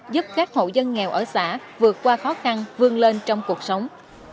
giúp các hộ dân nghèo ở xã vượt qua khó khăn vươn lên trong cuộc sống